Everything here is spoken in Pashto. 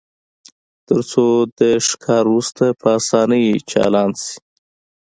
ترڅو د ښکار وروسته په اسانۍ چالان شي